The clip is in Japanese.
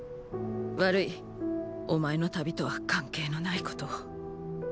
悪いお前の旅とは関係のないことを。